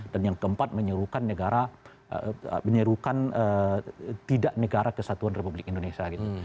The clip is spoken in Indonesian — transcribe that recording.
dan yang keempat menyerukan negara menyerukan tidak negara kesatuan republik indonesia gitu